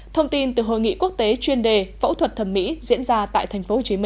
thông tin từ hội nghị quốc tế chuyên đề phẫu thuật thẩm mỹ diễn ra tại tp hcm